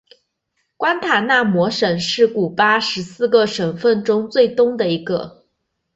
关塔那摩省是古巴十四个省份中最东的一个。